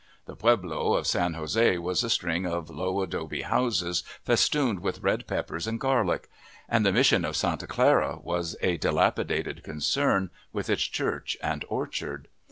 The pueblo of San Jose was a string of low adobe houses festooned with red peppers and garlic; and the Mission of Santa Clara was a dilapidated concern, with its church and orchard.